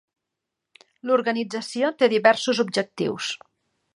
L'organització té diversos objectius.